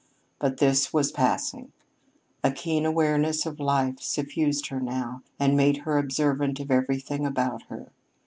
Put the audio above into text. But this was passing. A keen awareness of life suffused her now and made her observant of everything about her.